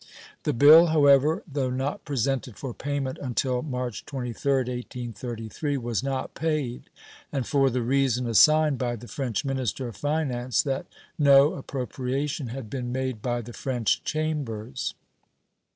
The bill, however, though not presented for payment until March 23d, 1833, was not paid, and for the reason assigned by the French minister of finance that no appropriation had been made by the French Chambers.